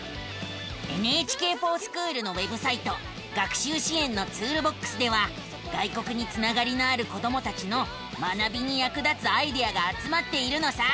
「ＮＨＫｆｏｒＳｃｈｏｏｌ」のウェブサイト「学習支援のツールボックス」では外国につながりのある子どもたちの学びに役立つアイデアがあつまっているのさ。